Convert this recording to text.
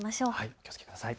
気をつけてください。